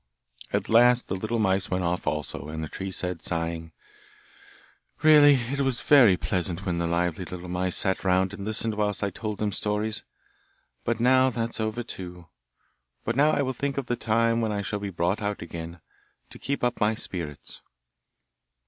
At last the little mice went off also, and the tree said, sighing: 'Really it was very pleasant when the lively little mice sat round and listened whilst I told them stories. But now that's over too. But now I will think of the time when I shall be brought out again, to keep up my spirits.